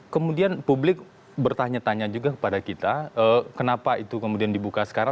kemudian publik bertanya tanya juga kepada kita kenapa itu kemudian dibuka sekarang